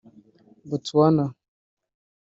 Botswana